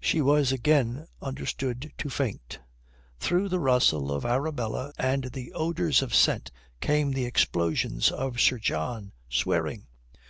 She was again understood to faint. Through the rustle of Arabella and the odours of scent came the explosions of Sir John, swearing.